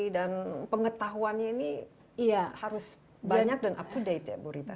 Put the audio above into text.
dan informasi dan pengetahuannya ini harus banyak dan up to date ya bu rita